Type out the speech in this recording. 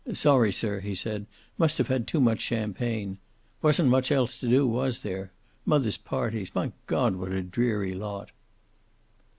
"Sorry, sir," he said. "Must have had too much champagne. Wasn't much else to do, was there? Mother's parties my God, what a dreary lot!"